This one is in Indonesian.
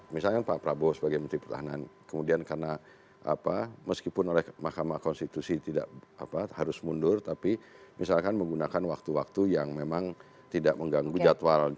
misalkan pak prabowo sebagai menteri pertahanan kemudian karena meskipun oleh mahkamah konstitusi tidak harus mundur tapi misalkan menggunakan waktu waktu yang memang tidak mengganggu jadwal